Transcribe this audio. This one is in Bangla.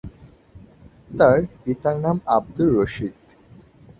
তার পিতার নাম আব্দুর রশীদ।